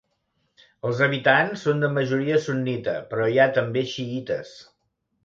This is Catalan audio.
Els habitants són de majoria sunnita però hi ha també xiïtes.